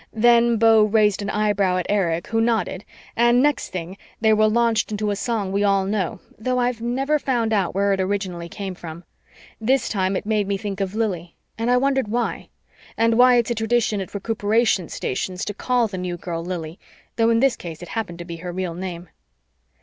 Then Beau raised an eyebrow at Erich, who nodded, and next thing they were launched into a song we all know, though I've never found out where it originally came from. This time it made me think of Lili, and I wondered why and why it's a tradition at Recuperation Stations to call the new girl Lili, though in this case it happened to be her real name.